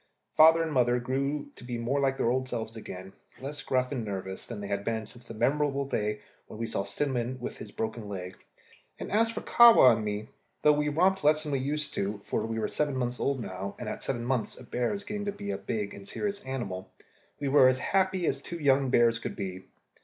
Father and mother grew to be like their old selves again, less gruff and nervous than they had been since the memorable day when we saw Cinnamon with his broken leg; and as for Kahwa and me, though we romped less than we used to do for we were seven months old now, and at seven months a bear is getting to be a big and serious animal we were as happy as two young bears could be.